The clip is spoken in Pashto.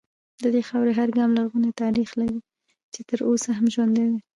د دې خاورې هر ګام لرغونی تاریخ لري چې تر اوسه هم ژوندی دی